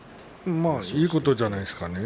いいことじゃないですかね。